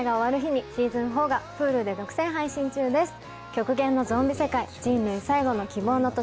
極限のゾンビ世界人類最後の希望の都市